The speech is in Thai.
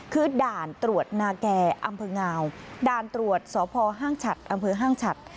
คือด่านตรวจนาแก่อำเภองาวด่านตรวจสพห้างฉัดอำเภอห้างฉัด